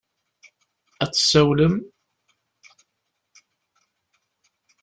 Ad d-tsawalem?